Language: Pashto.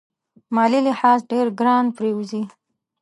مالي لحاظ ډېر ګران پرېوزي.